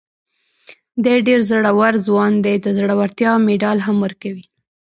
دی ډېر زړور ځوان دی، د زړورتیا مېډال هم ورکوي.